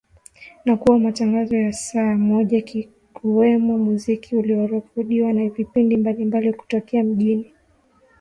na kuwa matangazo ya saa moja kukiwemo muziki uliorekodiwa na vipindi mbalimbali kutokea mjini Monrovia Liberia